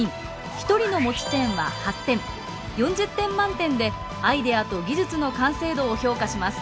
１人の持ち点は８点４０点満点でアイデアと技術の完成度を評価します。